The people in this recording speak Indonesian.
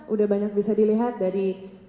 udah banyak bisa dilihat dari